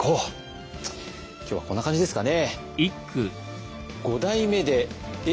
今日はこんな感じですかね。